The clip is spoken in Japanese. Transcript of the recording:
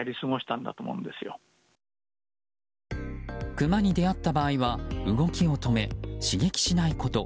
クマに出会った場合は動きを止め、刺激しないこと。